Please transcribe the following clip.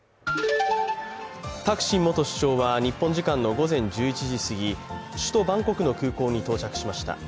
タクシン元首相は日本時間の午前１１時過ぎ、首都バンコクの空港に到着しました。